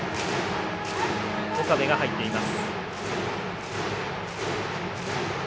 岡部が入っています。